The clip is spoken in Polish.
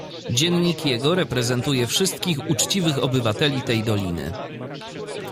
"Dziennik jego reprezentuje wszystkich uczciwych obywateli tej doliny."